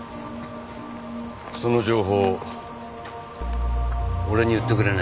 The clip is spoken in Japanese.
その情報俺に売ってくれないか？